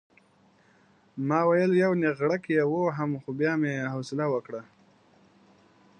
ما ویل یو نېغړک یې ووهم خو بیا مې حوصله وکړه.